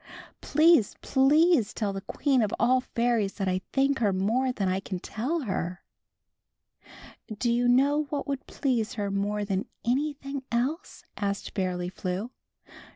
Please, please, tell the Queen of All Fairies that I thank her i. more than I can teU her." yOfft hmri "Do you know what would please her more than Jo°Tr\V/ anj^hing else?" asked Fairly Flew.